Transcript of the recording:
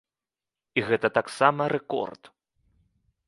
І гэта таксама рэкорд.